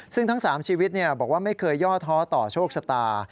ซึ่งทั้ง๓ชีวิตบอกว่าไม่เคยย่อท้อต่อโชคชะตา